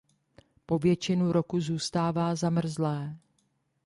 Po většinu roku zůstává zamrzlé.